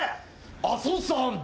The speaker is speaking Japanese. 阿蘇山！